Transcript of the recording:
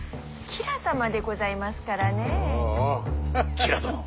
吉良殿。